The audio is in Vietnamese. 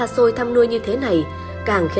hòa am gia tình đội hai mươi hai